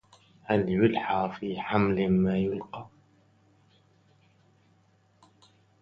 هل يلحى في حمل ما يلقى